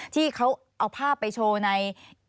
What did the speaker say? ที่เขาเอาภาพไปโชว์ใน